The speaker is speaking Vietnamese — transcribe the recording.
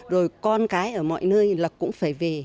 rồi con cái ở mọi nơi là cũng phải về